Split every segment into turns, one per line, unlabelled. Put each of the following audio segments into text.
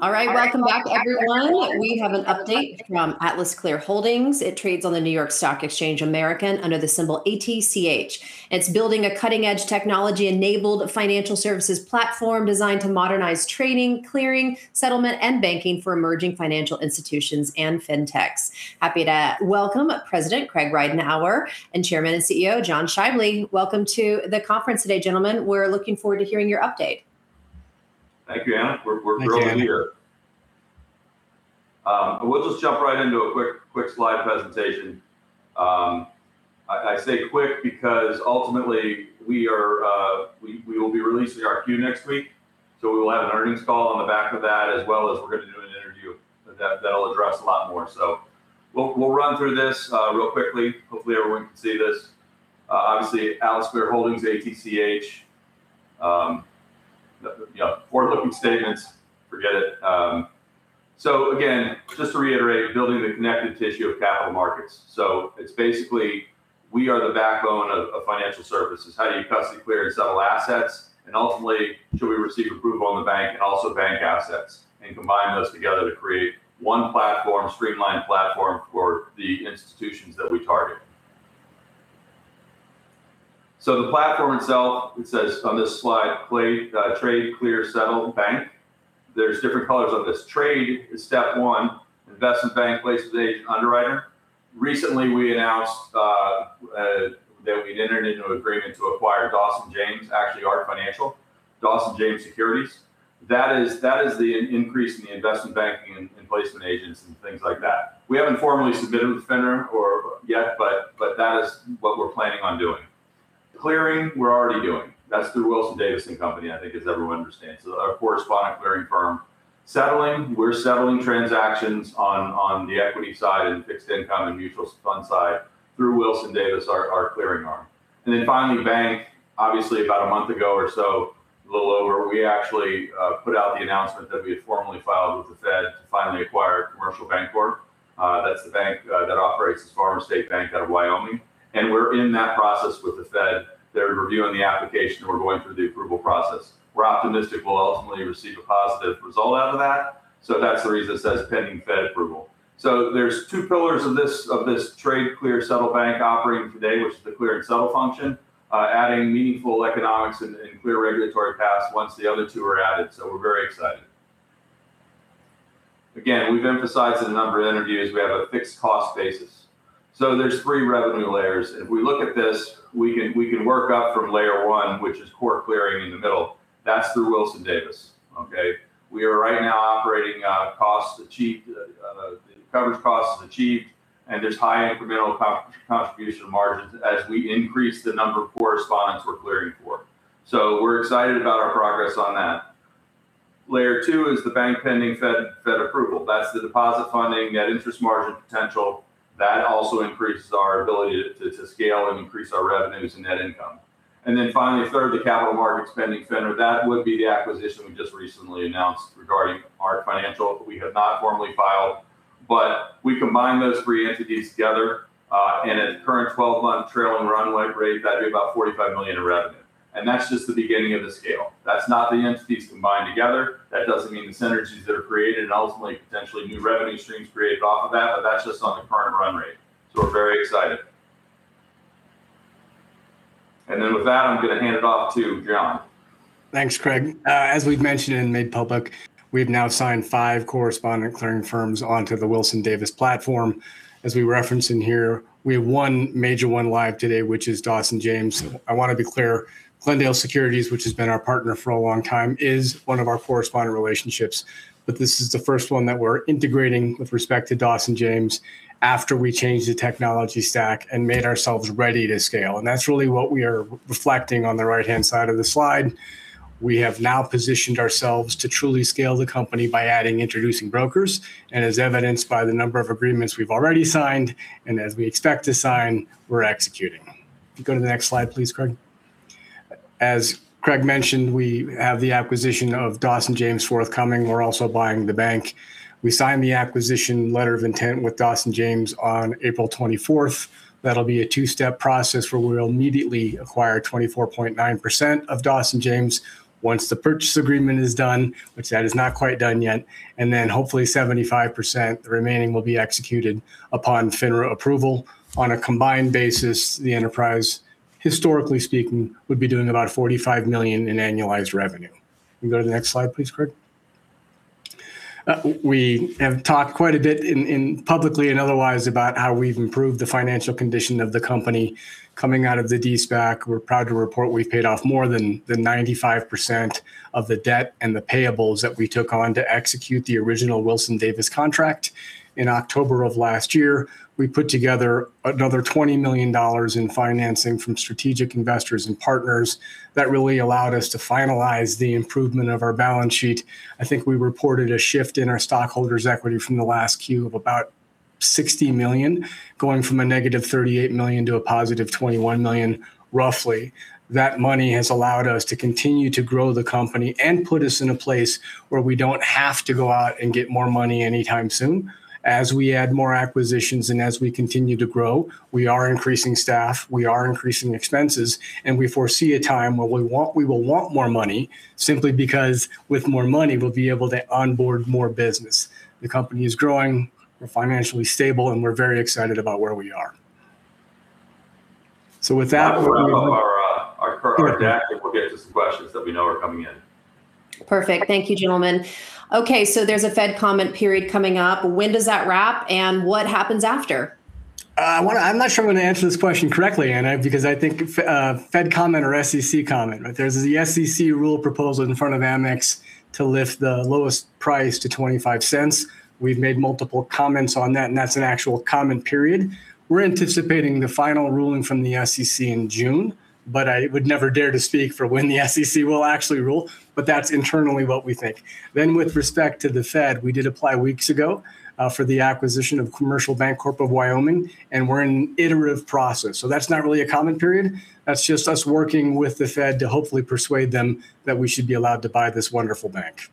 All right. Welcome back, everyone. We have an update from AtlasClear Holdings. It trades on the New York Stock Exchange American under the symbol ATCH. It's building a cutting-edge technology enabled financial services platform designed to modernize trading, clearing, settlement, and banking for emerging financial institutions and fintechs. Happy to welcome President Craig Ridenhour and Chairman and CEO John Schaible. Welcome to the conference today, gentlemen. We're looking forward to hearing your update.
Thank you, Anna. We're thrilled to be here.
Thanks, Anna.
We'll just jump right into a quick slide presentation. I say quick because ultimately we will be releasing our queue next week, so we will have an earnings call on the back of that, as well as we're gonna do an interview that'll address a lot more. We'll run through this real quickly. Hopefully everyone can see this. Obviously, AtlasClear Holdings, ATCH. You know, forward-looking statements, forget it. Again, just to reiterate, building the connective tissue of capital markets. It's basically we are the backbone of financial services. How do you custody, clear, and settle assets? Ultimately, should we receive approval on the bank, also bank assets, and combine those together to create one streamlined platform for the institutions that we target. The platform itself, it says on this slide, play, trade, clear, settle, and bank. There's different colors on this. Trade is step one. Investment bank, placement agent, underwriter. Recently we announced that we'd entered into an agreement to acquire Dawson James, actually Ark Financial, Dawson James Securities. That is the increase in the investment banking and placement agents and things like that. We haven't formally submitted with FINRA yet, but that is what we're planning on doing. Clearing we're already doing. That's through Wilson-Davis & Company, I think as everyone understands, our correspondent clearing firm. Settling, we're settling transactions on the equity side and fixed income and mutual fund side through Wilson-Davis, our clearing arm. Finally, bank. Obviously about one month ago or so, a little over, we actually put out the announcement that we had formally filed with the Fed to finally acquire Commercial Bancorp. That's the bank that operates as Farmers State Bank out of Wyoming, and we're in that process with the Fed. They're reviewing the application, and we're going through the approval process. We're optimistic we'll ultimately receive a positive result out of that, so that's the reason it says pending Fed approval. There's two pillars of this, of this trade, clear, settle bank operating today, which is the clear and settle function, adding meaningful economics and clear regulatory paths once the other two are added, so we're very excited. Again, we've emphasized in a number of interviews we have a fixed cost basis. There's three revenue layers. If we look at this, we can work up from layer 1, which is core clearing in the middle. That's through Wilson Davis, okay? We are right now operating, costs achieved, the coverage costs achieved, and there's high incremental contribution margins as we increase the number of correspondents we're clearing for. We're excited about our progress on that. Layer 2 is the bank pending Fed approval. That's the deposit funding, net interest margin potential. That also increases our ability to scale and increase our revenues and net income. Finally, third, the capital markets pending FINRA. That would be the acquisition we just recently announced regarding Ark Financial. We have not formally filed. We combine those three entities together, and at current 12-month trailing run rate, that'd be about $45 million in revenue, and that's just the beginning of the scale. That's not the entities combined together. That doesn't mean the synergies that are created and ultimately potentially new revenue streams created off of that, but that's just on the current run rate. We're very excited. With that, I'm gonna hand it off to John.
Thanks, Craig. As we've mentioned and made public, we have now signed five correspondent clearing firms onto the Wilson-Davis platform. As we reference in here, we have one major one live today, which is Dawson James. I wanna be clear, Glendale Securities, which has been our partner for a long time, is one of our correspondent relationships, but this is the first one that we're integrating with respect to Dawson James after we changed the technology stack and made ourselves ready to scale. That's really what we are reflecting on the right-hand side of the slide. We have now positioned ourselves to truly scale the company by adding introducing brokers. As evidenced by the number of agreements we've already signed, and as we expect to sign, we're executing. Go to the next slide please, Craig. As Craig mentioned, we have the acquisition of Dawson James forthcoming. We're also buying the bank. We signed the acquisition letter of intent with Dawson James on April 24th. That'll be a two-step process where we'll immediately acquire 24.9% of Dawson James once the purchase agreement is done, which that is not quite done yet, and then hopefully 75%, the remaining, will be executed upon FINRA approval. On a combined basis, the enterprise, historically speaking, would be doing about $45 million in annualized revenue. Can you go to the next slide please, Craig? We have talked quite a bit publicly and otherwise about how we've improved the financial condition of the company coming out of the de-SPAC. We're proud to report we've paid off more than the 95% of the debt and the payables that we took on to execute the original Wilson Davis contract. In October of last year, we put together another $20 million in financing from strategic investors and partners. That really allowed us to finalize the improvement of our balance sheet. I think we reported a shift in our stockholders' equity from the last Q of about $60 million, going from a negative $38 million to a positive $21 million roughly. That money has allowed us to continue to grow the company and put us in a place where we don't have to go out and get more money anytime soon. As we add more acquisitions and as we continue to grow, we are increasing staff, we are increasing expenses, and we foresee a time where we will want more money simply because with more money we'll be able to onboard more business. The company is growing. We're financially stable, and we're very excited about where we are. So with that, we will-
We'll run through our deck.
Go ahead.
We'll get to some questions that we know are coming in.
Perfect. Thank you, gentlemen. Okay, there's a Fed comment period coming up. When does that wrap, and what happens after?
I'm not sure I'm gonna answer this question correctly, Anna, because I think Fed comment or SEC comment, right? There's the SEC rule proposal in front of Amex to lift the lowest price to $0.25. We've made multiple comments on that, and that's an actual comment period. We're anticipating the final ruling from the SEC in June, but I would never dare to speak for when the SEC will actually rule, but that's internally what we think. With respect to the Fed, we did apply weeks ago for the acquisition of Commercial Bancorp of Wyoming, and we're in iterative process. That's not really a comment period. That's just us working with the Fed to hopefully persuade them that we should be allowed to buy this wonderful bank.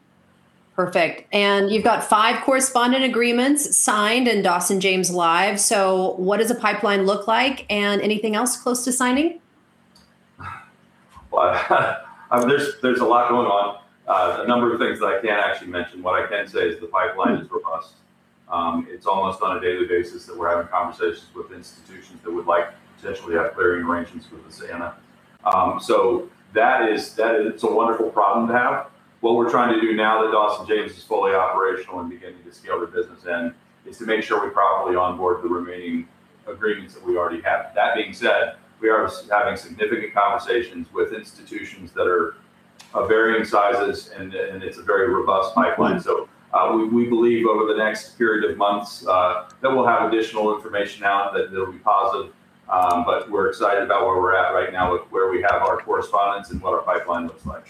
Perfect. You've got five correspondent agreements signed in Dawson James Securities, so what does the pipeline look like, and anything else close to signing?
I mean, there's a lot going on. A number of things that I can't actually mention. What I can say is the pipeline is robust. It's almost on a daily basis that we're having conversations with institutions that would like to potentially have clearing arrangements with AtlasClear. That is a wonderful problem to have. What we're trying to do now that Dawson James is fully operational and beginning to scale their business in, is to make sure we properly onboard the remaining agreements that we already have. That being said, we are having significant conversations with institutions that are varying sizes and it's a very robust pipeline. We believe over the next period of months that we'll have additional information out that they'll be positive. We're excited about where we're at right now with where we have our correspondents and what our pipeline looks like.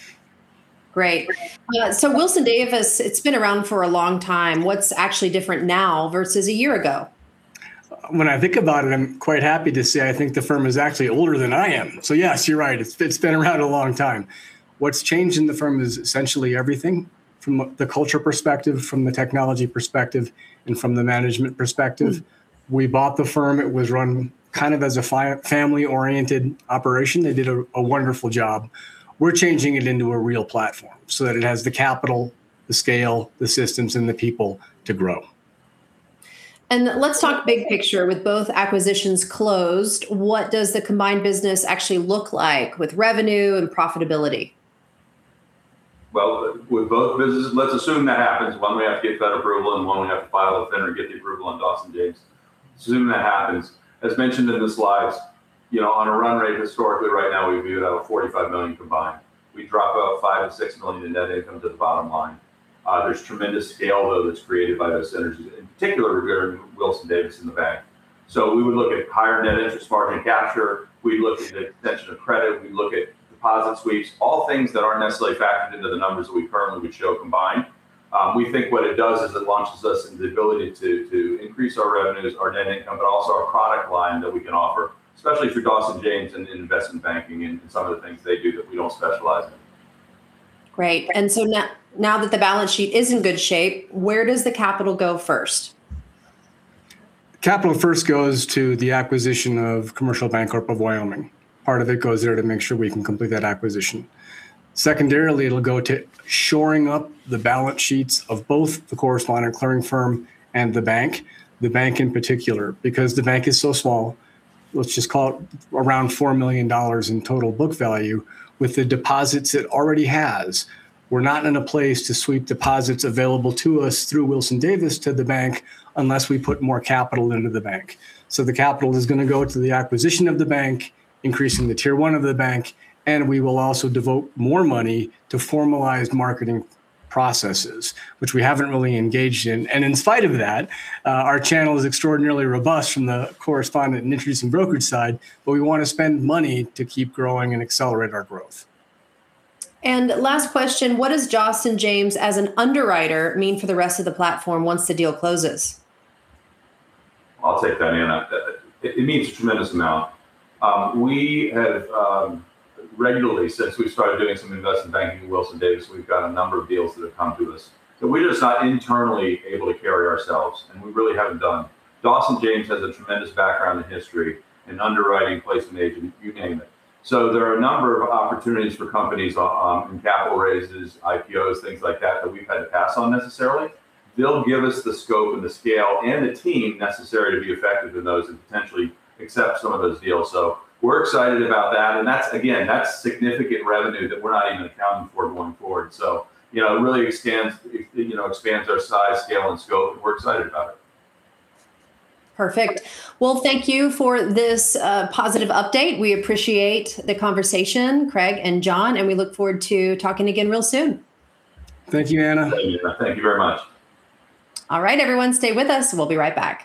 Great. Yeah, Wilson-Davis, it's been around for a long time. What's actually different now versus a year ago?
When I think about it, I'm quite happy to say I think the firm is actually older than I am. Yes, you're right, it's been around a long time. What's changed in the firm is essentially everything from the culture perspective, from the technology perspective, and from the management perspective. We bought the firm, it was run kind of as a family-oriented operation. They did a wonderful job. We're changing it into a real platform so that it has the capital, the scale, the systems, and the people to grow.
Let's talk big picture. With both acquisitions closed, what does the combined business actually look like with revenue and profitability?
Well, let's assume that happens. One we have to get Fed approval, one we have to file with FINRA to get the approval on Dawson James. Assume that happens. As mentioned in the slides, you know, on a run rate historically right now we have a $45 million combined. We drop about $5 million and $6 million in net income to the bottom line. There's tremendous scale though that's created by those synergies, in particular with Wilson Davis and the bank. We would look at higher net interest margin capture. We look at extension of credit. We look at deposit sweeps. All things that aren't necessarily factored into the numbers that we currently would show combined. We think what it does is it launches us into the ability to increase our revenues, our net income, but also our product line that we can offer, especially through Dawson James in investment banking and some of the things they do that we don't specialize in.
Great. Now that the balance sheet is in good shape, where does the capital go first?
Capital first goes to the acquisition of Commercial Bancorp. Part of it goes there to make sure we can complete that acquisition. Secondarily, it'll go to shoring up the balance sheets of both the correspondent clearing firm and the bank. The bank in particular, because the bank is so small, let's just call it around $4 million in total book value, with the deposits it already has, we're not in a place to sweep deposits available to us through Wilson Davis to the bank unless we put more capital into the bank. The capital is gonna go to the acquisition of the bank, increasing the Tier 1 of the bank, and we will also devote more money to formalized marketing processes, which we haven't really engaged in. In spite of that, our channel is extraordinarily robust from the correspondent and introducing brokerage side, but we wanna spend money to keep growing and accelerate our growth.
Last question, what does Dawson James as an underwriter mean for the rest of the platform once the deal closes?
I'll take that, Anna. It means a tremendous amount. We have, regularly, since we've started doing some investment banking with Wilson-Davis, we've gotten a number of deals that have come to us. We're just not internally able to carry ourselves, and we really haven't done. Dawson James has a tremendous background and history in underwriting, placement agent, you name it. There are a number of opportunities for companies, in capital raises, IPOs, things like that we've had to pass on necessarily. They'll give us the scope and the scale and the team necessary to be effective in those and potentially accept some of those deals. We're excited about that, and that's, again, that's significant revenue that we're not even accounting for going forward. You know, it really expands our size, scale, and scope, and we're excited about it.
Perfect. Thank you for this positive update. We appreciate the conversation, Craig and John, and we look forward to talking again real soon.
Thank you, Anna.
Thank you, Anna. Thank you very much.
All right, everyone, stay with us. We'll be right back.